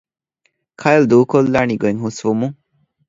ކައިލް ދޫކޮށްލާނީ ގޮތް ހުސްވުމުން